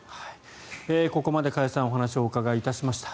ここまで加谷さんにお話を伺いました。